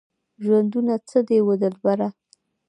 ژوندونه څه دی وه دلبره؟